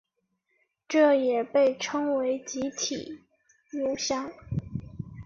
这也被称为整体油箱。